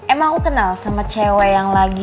emang aku kenal sama cewek yang lagi